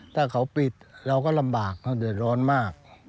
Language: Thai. ถ้าเขาปิดเราก็ลำบากเดี๋ยวร้อนมาก